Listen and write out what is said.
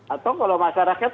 atau kalau masyarakat